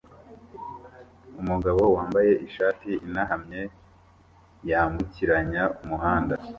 Umugabo wambaye ishati ihanamye yambukiranya umuhanda